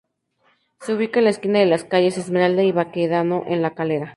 Se ubica en la esquina de las calles Esmeralda y Baquedano, en La Calera.